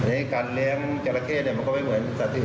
อันนี้การเลี้ยงจอราเข้มันก็ไม่เหมือนสถิติ